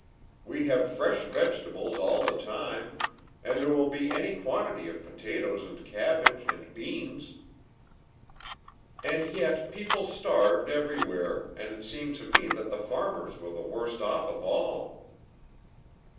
We have fresh vegetables all the time, and there will be any quantity of potatoes and cabbage and beans." "And yet people starved everywhere, and it seemed to me that the farmers were the worst off of all."